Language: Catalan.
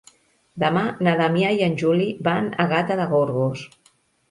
Demà na Damià i en Juli van a Gata de Gorgos.